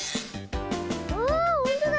あほんとだ！